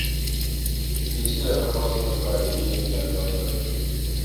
He is still a faculty member at the New England Conservatory.